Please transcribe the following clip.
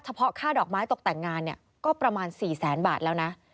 เพาะค่าดอกไม้ตกแต่งงานเนี่ยก็ประมาณ๔แสนบาทแล้วนะ